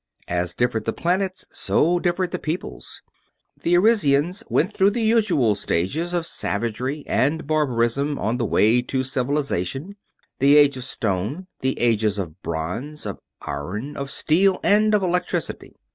As differed the planets, so differed the peoples. The Arisians went through the usual stages of savagery and barbarism on the way to Civilization. The Age of Stone. The Ages of Bronze, of Iron, of Steel, and of Electricity.